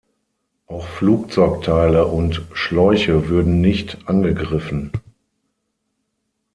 Auch Flugzeugteile und Schläuche würden nicht angegriffen.